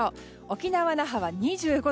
沖縄・那覇は２５度。